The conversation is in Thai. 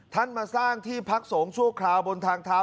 มาสร้างที่พักสงฆ์ชั่วคราวบนทางเท้า